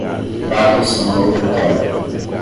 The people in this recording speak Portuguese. Dados são o novo petróleo